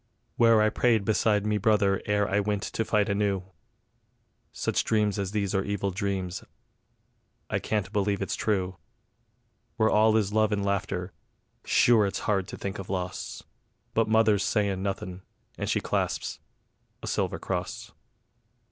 Where I prayed beside me brother ere I wint to fight anew: Such dreams as these are evil dreams; I can't believe it's true. Where all is love and laughter, sure it's hard to think of loss ... But mother's sayin' nothin', and she clasps A SILVER CROSS.